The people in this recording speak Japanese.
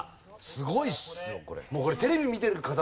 すごいっすよこれ。